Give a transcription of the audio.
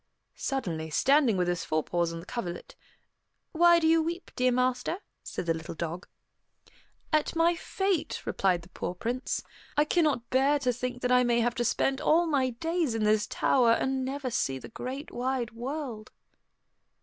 Suddenly, standing with his forepaws on the coverlet, "Why do you weep, dear master?" said the little dog. "At my fate," replied the poor Prince. "I cannot bear to think that I may have to spend all my days in this tower, and never see the great wide world."